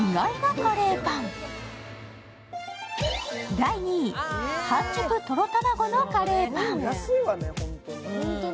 第２位、半熟とろ卵のカレーパン。